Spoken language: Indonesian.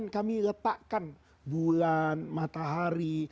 kami letakkan bulan matahari